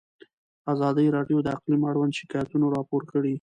ازادي راډیو د اقلیم اړوند شکایتونه راپور کړي.